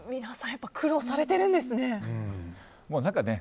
やっぱり苦労されてるんですね。